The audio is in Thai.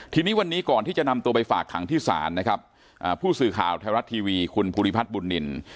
ทีนี้วันนี้ก่อนที่จะนำตัวไปฝากขังที่ศาลนะครับผู้สื่อข่าวไทยรัฐทีวีคุณภูริพัฒน์บุญนิน